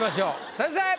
先生！